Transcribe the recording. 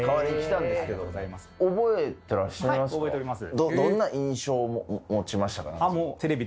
覚えております。